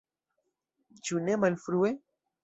Ĉu ne malfrue?